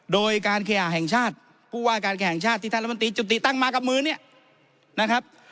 โดยการเคยหาแห่งชาติพูดว่าการเคยหาแห่งชาติที่ท่านละมันตีจุติตั้งมากับมือนี้นะครับ